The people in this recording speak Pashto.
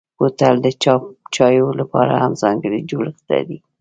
بوتل د چايو لپاره هم ځانګړی جوړښت لري.